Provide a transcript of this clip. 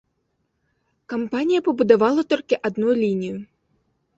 Кампанія пабудавала толькі адну лінію.